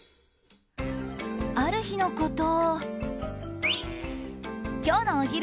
ある日のこと。